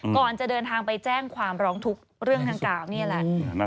ก่อนจะเดินทางไปแจ้งความร้องทุกข์เรื่องดังกล่าวนี่แหละ